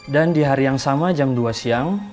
dan di hari yang sama jam dua siang